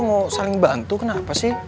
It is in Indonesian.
mau saling bantu kenapa sih